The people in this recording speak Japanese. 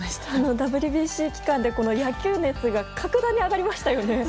ＷＢＣ期間で野球熱が格段に上がりましたよね。